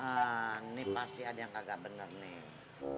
ah ini pasti ada yang kagak bener nih